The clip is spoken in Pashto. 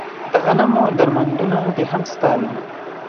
د غنمو درمندونه دې هم ستا وي